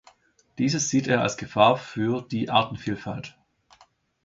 Diese sieht er als Gefahr für die Artenvielfalt.